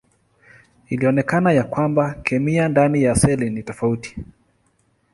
Ilionekana ya kwamba kemia ndani ya seli ni tofauti.